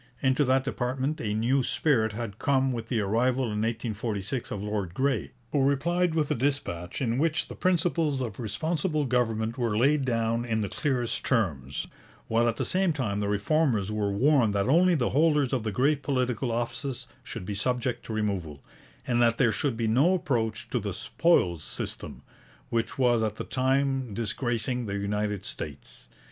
Into that department a new spirit had come with the arrival in 1846 of Lord Grey, who replied with a dispatch in which the principles of Responsible Government were laid down in the clearest terms, while at the same time the Reformers were warned that only the holders of the great political offices should be subject to removal, and that there should be no approach to the 'spoils system,' which was at the time disgracing the United States.